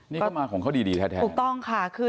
นี่ก็มาของเขาดีแท้